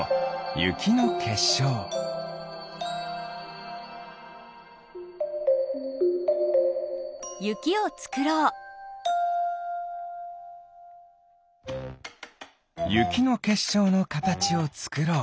ゆきのけっしょうのかたちをつくろう。